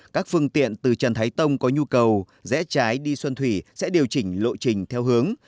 các phương tiện từ trần thái tông có nhu cầu rẽ trái đi xuân thủy sẽ điều chỉnh lộ trình theo hướng